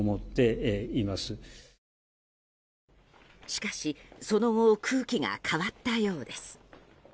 しかし、その後空気が変わったようです。